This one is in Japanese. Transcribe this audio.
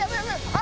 あ！